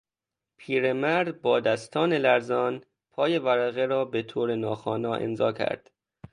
پیرمرد با دستان لرزان پای ورقه را به طور ناخوانا امضا کرد.